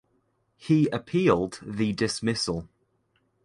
He appealed the dismissal.